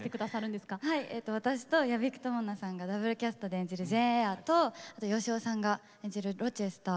私と屋比久知奈さんがダブルキャストで演じるジェーン・エアと芳雄さんが演じるロチェスター